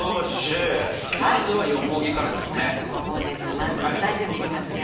まず下準備いきますよ。